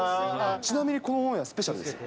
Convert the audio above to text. ちなみにこのオンエア、スペシャルですよ。